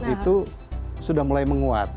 itu sudah mulai menguat